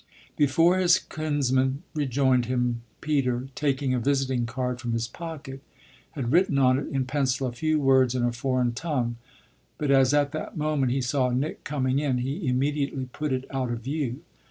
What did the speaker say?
Before his kinsman rejoined him Peter, taking a visiting card from his pocket, had written on it in pencil a few words in a foreign tongue; but as at that moment he saw Nick coming in he immediately put it out of view.